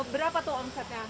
berapa tuh omsetnya